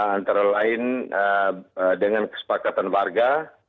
antara lain dengan kesepakatan warga